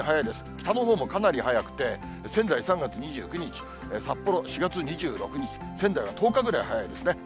北のほうもかなり早くて、仙台３月２９日、札幌４月２６日、仙台は１０日ぐらい早いですね。